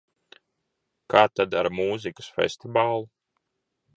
Kā tad ar mūzikas festivālu?